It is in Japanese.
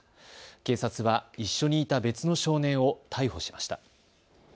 警察は一緒にいた別の少年を逮捕しました。